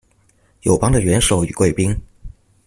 友邦的元首與貴賓